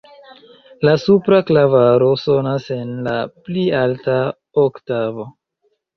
La supra klavaro sonas en la pli alta oktavo.